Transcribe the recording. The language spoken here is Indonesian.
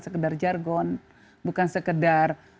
sekedar jargon bukan sekedar